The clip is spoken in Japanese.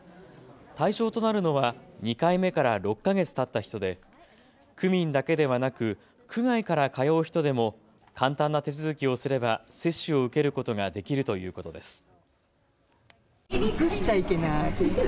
対象となるのは２回目から６か月たった人で区民だけではなく区外から通う人でも簡単な手続きをすれば接種を受けることができるということです。